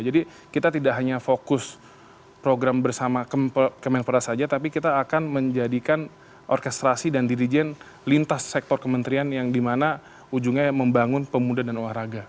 jadi kita tidak hanya fokus program bersama kemenpora saja tapi kita akan menjadikan orkestrasi dan dirijen lintas sektor kementerian yang dimana ujungnya membangun pemuda dan olahraga